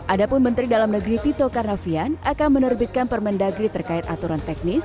ada pun menteri dalam negeri tito karnavian akan menerbitkan permendagri terkait aturan teknis